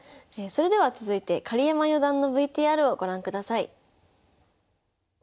それでは続いて狩山四段のＶＴＲをご覧ください。